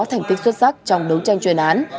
thành tích xuất sắc trong đấu tranh chuyên án